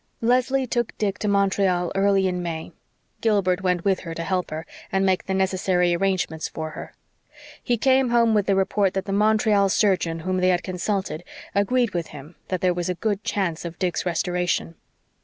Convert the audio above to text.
Leslie took Dick to Montreal early in May. Gilbert went with her, to help her, and make the necessary arrangements for her. He came home with the report that the Montreal surgeon whom they had consulted agreed with him that there was a good chance of Dick's restoration.